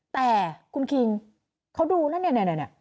แต่คุณคิงเค้าดูนะเนี่ย